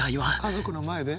家族の前で？